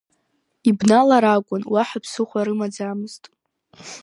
Ибналар акәын, уаҳа ԥсыхәа рымаӡамызт.